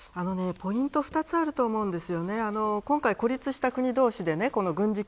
ポイントは２つあると思うんです。